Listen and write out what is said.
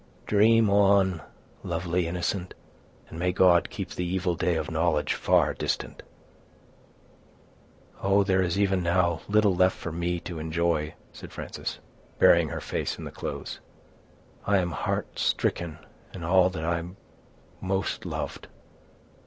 Dream on, lovely innocent! and may God keep the evil day of knowledge far distant!" "Oh, there is even now little left for me to enjoy," said Frances, burying her face in the clothes. "I am heartstricken in all that I most loved."